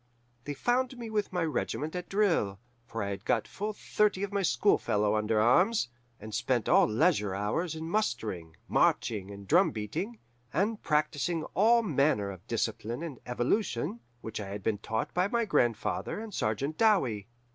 They found me with my regiment at drill; for I had got full thirty of my school fellows under arms, and spent all leisure hours in mustering, marching, and drum beating, and practising all manner of discipline and evolution which I had been taught by my grandfather and Sergeant Dowie.